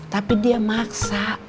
tapi dia maksa